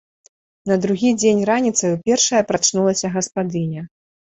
На другі дзень раніцаю першая прачнулася гаспадыня.